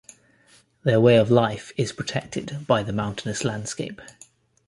Their way of life is protected by the mountainous landscape.